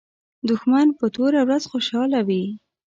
دښمن په توره ورځ خوشاله وي